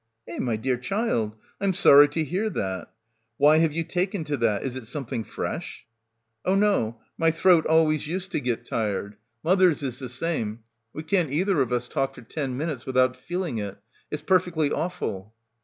"Eh ! my dear child ! I'm sorry to hear that. Why have ye taken to that? Is it something fresh?" "Oh, no, my throat always used to get tired, 265 PILGRIMAGE Mother's is the same. We can't either of us talk for ten minutes without feeling it. It's perfectly awful."